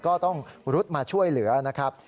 ก็ต้องรุดมาช่วยเหลือนะครับ